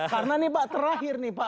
karena nih pak terakhir nih pak